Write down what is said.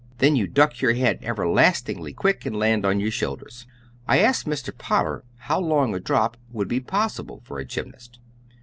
Then you duck your head everlastingly quick and land on your shoulders." I asked Mr. Potter how long a drop would be possible for a gymnast.